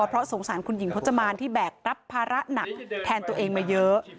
เพราะสงสารคุณหญิงพจมานที่แบกรับภาระหนักแทนตัวเองมาเยอะ